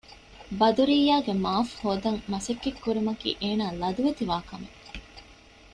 ބަދުރިއްޔާގެ މަޢާފް ހޯދަން މަސައްކަތް ކުރުމަކީ އޭނާ ލަދުވެތިވާ ކަމެއް